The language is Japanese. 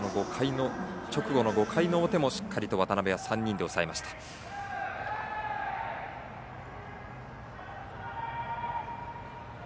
直後の５回の表もしっかりと渡邊は３人で抑えました。